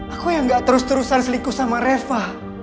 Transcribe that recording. aku yang gak terus terusan selingkuh sama reva